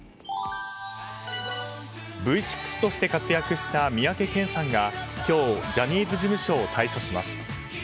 Ｖ６として活躍した三宅健さんが今日、ジャニーズ事務所を退所します。